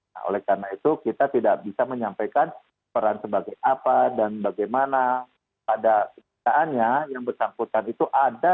nah oleh karena itu kita tidak bisa menyampaikan peran sebagai apa dan bagaimana pada kenyataannya yang bersangkutan itu ada